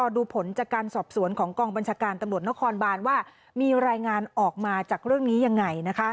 ดูผลจากการสอบสวนของกองบัญชาการตำรวจนครบานว่ามีรายงานออกมาจากเรื่องนี้ยังไง